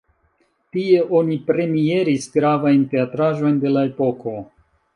Tie oni premieris gravajn teatraĵojn de la epoko.